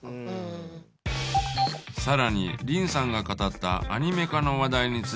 更に林さんが語ったアニメ化の話題についても。